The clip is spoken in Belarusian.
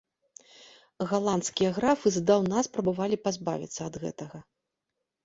Галандскія графы здаўна спрабавалі пазбавіцца ад гэтага.